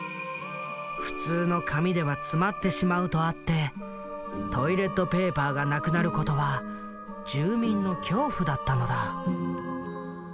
普通の紙では詰まってしまうとあってトイレットペーパーがなくなることは住民の恐怖だったのだ。